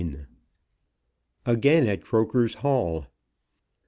AGAIN AT CROKER'S HALL.